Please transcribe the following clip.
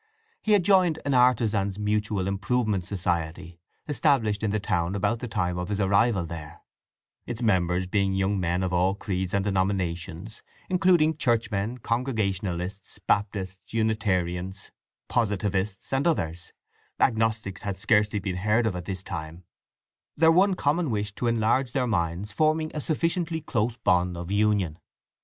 He had joined an Artizans' Mutual Improvement Society established in the town about the time of his arrival there; its members being young men of all creeds and denominations, including Churchmen, Congregationalists, Baptists, Unitarians, Positivists, and others—Agnostics had scarcely been heard of at this time—their one common wish to enlarge their minds forming a sufficiently close bond of union.